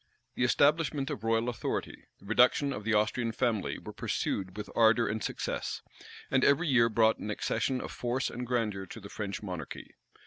The establishment of royal authority, the reduction of the Austrian family, were pursued with ardor and success; and every year brought an accession of force and grandeur to the French monarchy.